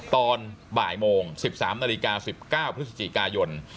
ตอนบ่ายโมง๑๓น๑๙พฤศจิกายน